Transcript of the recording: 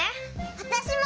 わたしも！